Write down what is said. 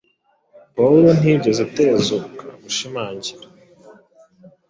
Pawulo ntiyigeze atezuka gushimangira,